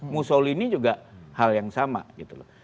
musolini juga hal yang sama gitu loh